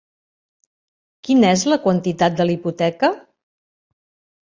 Quina és la quantitat de la hipoteca?